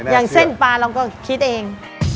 อย่างเส้นปลาเราก็คิดเอง